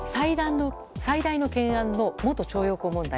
最大の懸案の元徴用工問題。